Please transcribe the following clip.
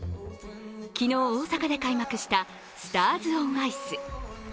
昨日、大阪で開幕したスターズオンアイス。